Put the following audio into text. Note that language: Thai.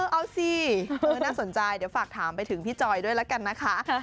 เอาสิน่าสนใจเดี๋ยวฝากถามไปถึงพี่จอยด้วยแล้วกันนะคะ